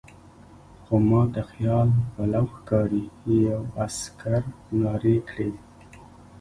خو ما ته خیال پلو ښکاري، یوه عسکر نارې کړې.